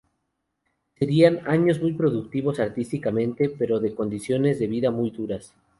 Serán años muy productivos artísticamente pero de condiciones de vida muy duras.